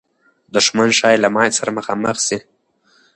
دښمن ښایي له ماتې سره مخامخ سي.